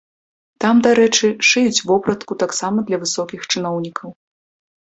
Там, дарэчы, шыюць вопратку таксама для высокіх чыноўнікаў.